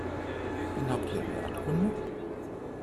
Wen habt ihr in Erdkunde?